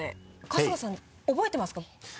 春日さん覚えてますか？